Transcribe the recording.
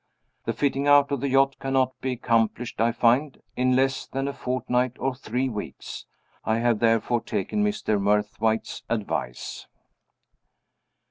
The fitting out of the yacht cannot be accomplished, I find, in less than a fortnight or three weeks. I have therefore taken Mr. Murthwaite's advice.